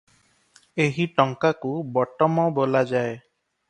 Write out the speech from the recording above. ଏହି ଟଙ୍କାକୁ ବଟମ ବୋଲାଯାଏ ।